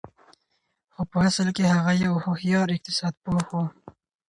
خو په اصل کې هغه يو هوښيار اقتصاد پوه و.